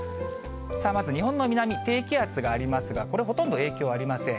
まず日本の南、低気圧がありますが、これ、ほとんど影響ありません。